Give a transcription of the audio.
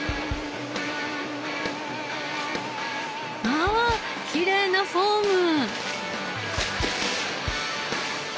まあきれいなフォーム！